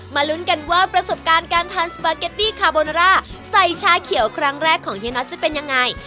ลุ้นกันว่าประสบการณ์การทานสปาเกตตี้คาโบนร่าใส่ชาเขียวครั้งแรกของเฮียน็อตจะเป็นยังไง